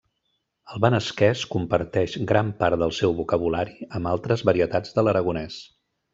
El benasquès comparteix gran part del seu vocabulari amb altres varietats de l'aragonès.